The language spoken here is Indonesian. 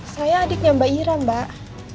saya adiknya mbak ira mbak